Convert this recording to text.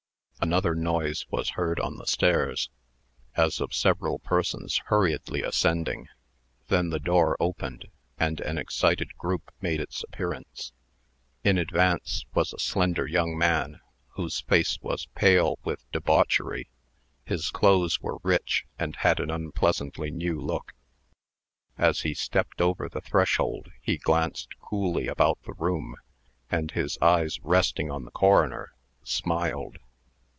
Another noise was heard on the stairs, as of several persons hurriedly ascending. Then the door opened, and an excited group made its appearance. In advance was a slender young man, whose face was pale with debauchery. His clothes were rich, and had an unpleasantly new look. As he stepped over the threshold, he glanced coolly about the room, and, his eyes resting on the coroner, smiled.